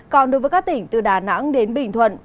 còn đối với các tỉnh từ đà nẵng đến bình thuận